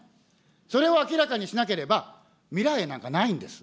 それを明らかにしなければ、未来なんかないんです。